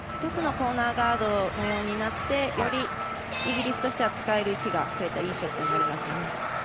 ２つのコーナーガードのようになってよりイギリスとしては使える石が増えたいいショットになりましたね。